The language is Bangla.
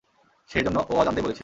সেজন্য, ও অজান্তেই বলেছে।